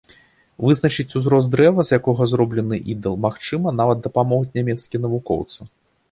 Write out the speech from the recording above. Вызначыць узрост дрэва, з якога зроблены ідал, магчыма, нават дапамогуць нямецкія навукоўцы!